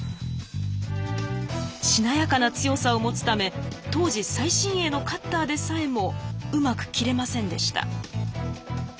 しなやかな強さを持つため当時最新鋭のカッターでさえもうまく切れませんでした。